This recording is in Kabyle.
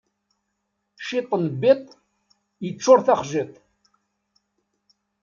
Ciṭ n biṭ iččuṛ taxjiḍt.